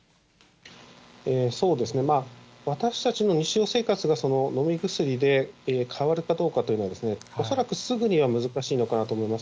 そうですね、私たちの日常生活が飲み薬で変わるかどうかというのは、恐らくすぐには難しいのかなと思います。